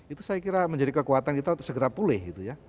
itu saya kira menjadi kekuatan kita harus segera pulih